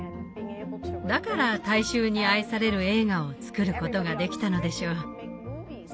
だから大衆に愛される映画を作ることができたのでしょう。